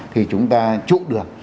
thì chúng ta trụ được